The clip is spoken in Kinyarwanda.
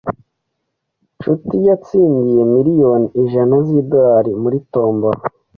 Nshuti yatsindiye miriyoni ijana zidorari muri tombora